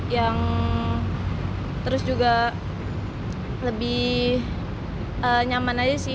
yang terus juga lebih nyaman aja sih